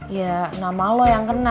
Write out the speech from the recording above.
ya nama lo yang kena